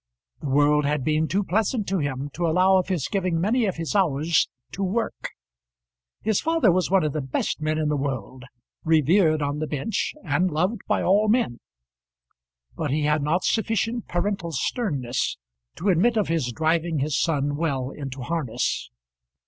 The world had been too pleasant to him to allow of his giving many of his hours to work. His father was one of the best men in the world, revered on the bench, and loved by all men; but he had not sufficient parental sternness to admit of his driving his son well into harness.